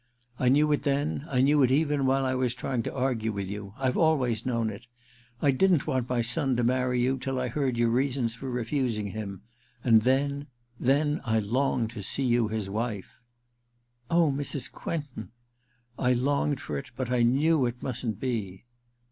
*I knew it then — I knew it reren while I was trying to argue with you — I've always known it ! I didn't want my son I to marry you till I heard your reasons for refusing him ; and then— then I longed to see you his wife !*' Oh, Mrs. Quentin !'^ I longed for it ; but I knew it mustn't be.'